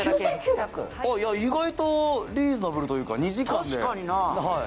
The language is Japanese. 意外とリーズナブルというか２時間で確かにな